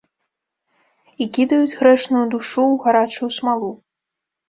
І кідаюць грэшную душу ў гарачую смалу.